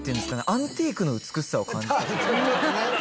アンティークの美しさを感じるというか。